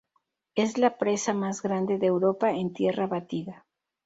Es la presa más grande de Europa en tierra batida.